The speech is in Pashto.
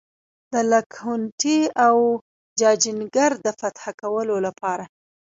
د لکهنوتي او جاجینګر د فتح کولو لپاره.